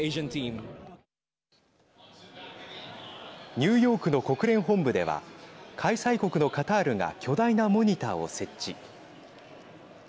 ニューヨークの国連本部では開催国のカタールが巨大なモニターを設置。